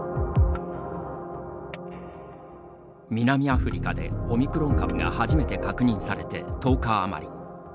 南アフリカでオミクロン株が初めて確認されて１０日余り。